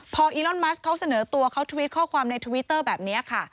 พออีรอนมัสเขาเสนอตัวเขาทวิตข้อความในทวิตเตอร์แบบนี้ค่ะ